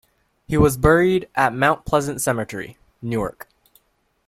He was buried at Mount Pleasant Cemetery, Newark.